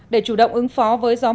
để chủ động ứng phó với gió mưa